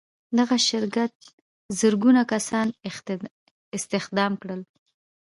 دغه شرکت زرګونه کسان استخدام کړل